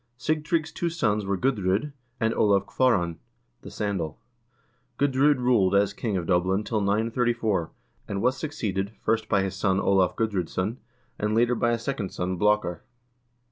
Sigtrygg's two sons were Gudr0d 1 and Olav Kvaaran (the sandal). Gudr0d ruled as king of Dublin till 934, and was succeeded, first by his son Olav Gudr0dsson, and later by a second son, Blakar.